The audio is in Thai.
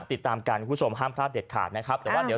ติดตามกันคุณสมห้ามคราวเด็ดขาดนะครับ